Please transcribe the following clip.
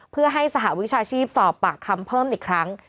เพื่อให้สหวิชาชีพสอบปากคำเพิ่มอีกครั้ง